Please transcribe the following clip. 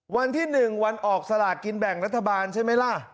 วันที่๑วันออกสลากกินแบ่งรัฐบาลใช่ไหมล่ะ